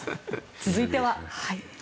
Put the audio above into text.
続いては。